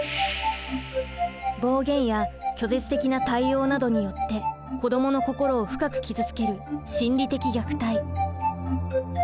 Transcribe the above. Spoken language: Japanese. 暴言や拒絶的な対応などによって子どもの心を深く傷つける心理的虐待。